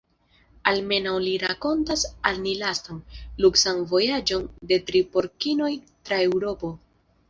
Almenaŭ li rakontas al ni lastan, luksan vojaĝon de tri porkinoj tra Eŭropo.